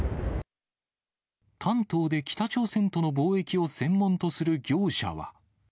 丹東で北朝鮮との貿易を専門とする業者は。